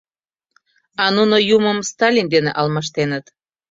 А нуно Юмым Сталин дене алмаштеныт.